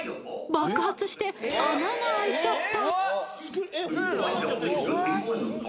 爆発して穴が開いちゃった。